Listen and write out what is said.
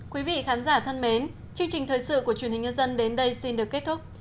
quý vị khán giả thân mến chương trình thời sự của truyền hình nhân dân đến đây xin được kết thúc